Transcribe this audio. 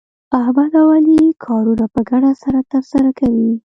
احمد او علي کارونه په ګډه سره ترسره کوي.